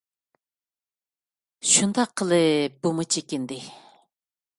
شۇنداق قىلىپ بۇمۇ چېكىندى.